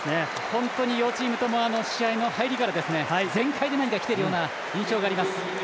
本当に両チームとも試合の入りから全開できているような印象があります。